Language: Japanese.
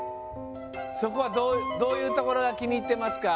そこはどういうところがきにいってますか？